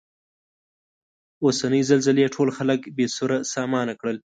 اوسنۍ زلزلې ټول خلک بې سرو سامانه کړل.